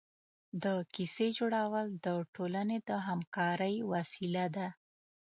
د کیسې جوړول د ټولنې د همکارۍ وسیله ده.